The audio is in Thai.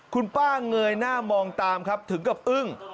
คุณป้าเงยหน้ามองตามครับถึงกับอึ้ง